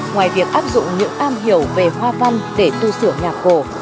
ngoài việc áp dụng những am hiểu về hoa văn để tu sửa nhà cổ